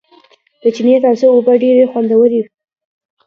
د چينې تازه اوبه ډېرې خوندورېوي